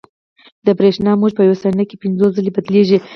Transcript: د برېښنا موج په یوه ثانیه کې پنځوس ځلې بدلېږي.